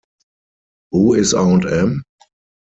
Who is Aunt Em?